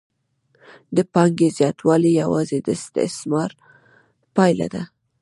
د پانګې زیاتوالی یوازې د استثمار پایله ده